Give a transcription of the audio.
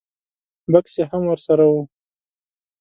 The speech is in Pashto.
بکس یې هم ور سره و.